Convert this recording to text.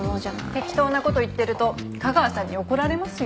適当な事言ってると架川さんに怒られますよ。